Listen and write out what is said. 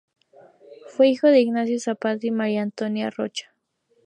Fue hijo de Ignacio Zapata y María Antonia Rocha.